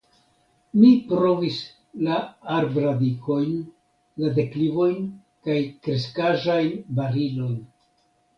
Mi provis la arbradikojn, la deklivojn, kaj kreskaĵajn barilojn.